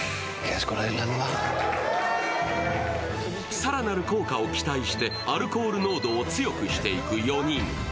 更なる効果を期待してアルコール濃度を強くしていく４人。